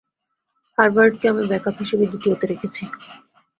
Harvard কে আমি backup হিসেবে দ্বিতীয় তে রেখেছি।